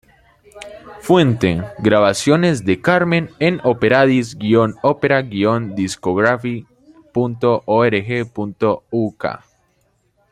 Fuente: Grabaciones de "Carmen" en operadis-opera-discography.org.uk